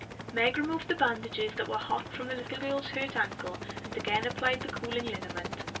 Meg removed the bandages that were hot from the little girl's hurt ankle and again applied the cooling liniment.